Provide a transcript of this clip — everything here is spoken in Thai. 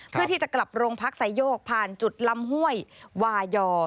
เพื่อที่จะกลับโรงพักไซโยกผ่านจุดลำห้วยวายอ